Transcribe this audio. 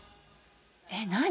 えっ何？